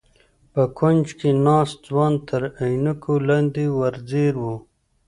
په کونج کې ناست ځوان تر عينکو لاندې ور ځير و.